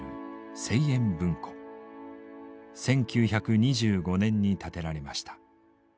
１９２５年に建てられました。